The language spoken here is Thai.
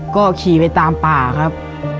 ก็ขี่ไปตามป่าครับ